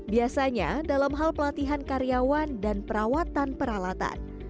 biasanya dalam hal pelatihan karyawan dan perawatan peralatan